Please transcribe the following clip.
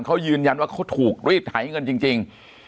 เขายืนยันว่าเขาถูกรีดไถเงินจริง